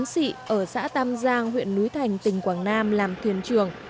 các giám sĩ ở xã tam giang huyện núi thành tỉnh quảng nam làm thuyền trường